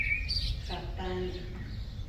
Jataana.